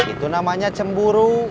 itu namanya cemburu